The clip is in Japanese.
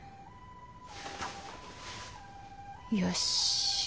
よし！